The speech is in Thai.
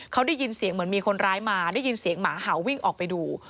เขาได้ยินเสียงเหมือนมีคนร้ายมาได้ยินเสียงหมาเห่าวิ่งออกไปดู